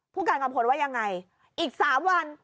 ผู้การกัมพลว่ายังไงอีก๓วัน